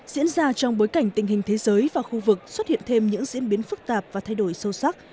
diễn ra trong bối cảnh tình hình thế giới và khu vực xuất hiện thêm những diễn biến phức tạp và thay đổi sâu sắc